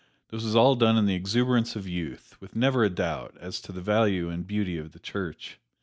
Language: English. This was all done in the exuberance of youth, with never a doubt as to the value and the beauty of the Church.